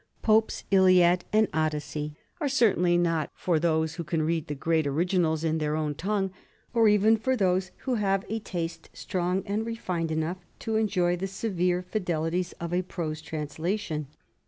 Pope's " Iliad " and " Odys sey " are certainly not for those who can read the great originals in their own tongue, or even for those who have a taste strong and refined enough to enjoy the severe fidel ity of a prose translation.